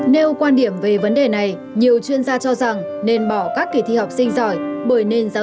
nêu quan điểm về vấn đề này nhiều chuyên gia cho rằng nên bỏ các kỳ thi học sinh giỏi bởi nền giáo